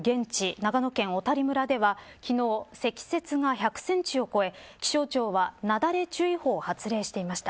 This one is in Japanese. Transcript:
長野県の小谷村では昨日積雪が１００センチを超え気象庁は雪崩注意報を発令していました。